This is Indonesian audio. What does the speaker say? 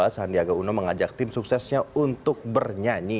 sandiaga uno mengajak tim suksesnya untuk bernyanyi